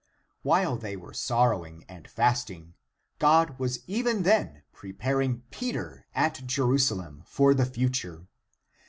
While they were sorrowing and fasting, God 64 THE APOCRYPHAL ACTS was even then preparing Peter at Jerusalem for the future.